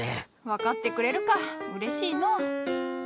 分かってくれるかうれしいのう。